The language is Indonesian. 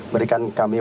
berikan kami wabah